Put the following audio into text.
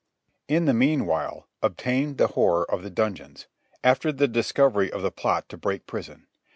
In the meanwhile obtained the horror of the dungeons, after the discovery of the plot to break prison.